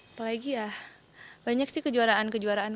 apalagi banyak kejuaraan kejuaraan